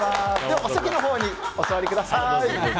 お席のほうにお座りください。